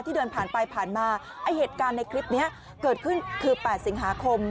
เดินผ่านไปผ่านมาไอ้เหตุการณ์ในคลิปนี้เกิดขึ้นคือ๘สิงหาคม